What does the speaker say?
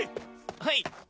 はい！